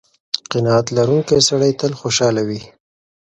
قناعت لرونکی سړی تل خوشحاله وي.